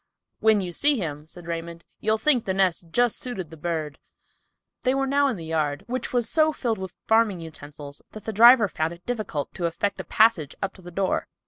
"When you see him," said Raymond, "you'll think the nest just suited the bird." They were now in the yard, which was so filled with farming utensils that the driver found it difficult to effect a passage up to the door.